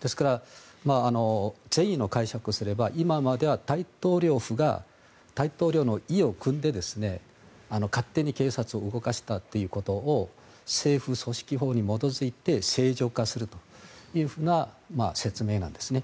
ですから、善意の解釈をすれば今までは大統領府が大統領の意をくんで勝手に警察を動かしたということを政府組織法に基づいて正常化するというような説明なんですね。